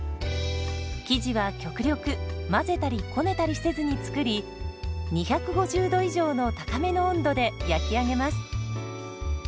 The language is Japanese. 生地は極力混ぜたりこねたりせずに作り２５０度以上の高めの温度で焼き上げます。